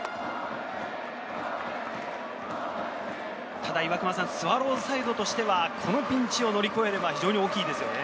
ただスワローズサイドとしては、このピンチを乗り越えれば非常に大きいですよね。